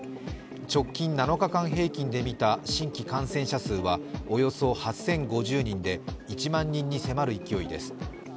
直近７日間平均で見た新規感染者数はおよそ８０５０人で１万人に迫る勢いです。